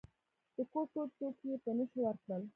د کور ټول توکي یې په نشو ورکړل.